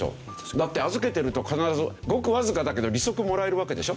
だって預けてると必ずごくわずかだけど利息もらえるわけでしょ。